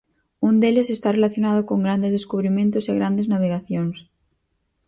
Un deles está relacionado con grandes descubrimentos e grandes navegacións.